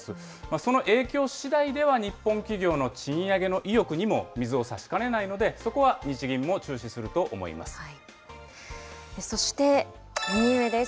その影響しだいでは、日本企業の賃上げの意欲にも水をさしかねないので、そこは日銀も注視すると思います。